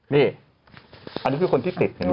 นี่อันนี้คือคนที่ติด